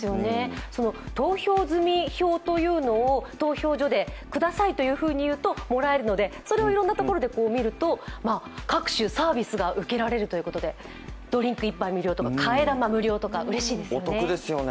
投票済証を投票所で「ください」と言うともらえるのでそれをいろんなところで見ると各種サービスが受けられるということで、ドリンク１杯無料とか替え玉無料とかうれしいですよね。